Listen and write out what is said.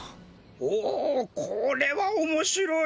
おおこれはおもしろい！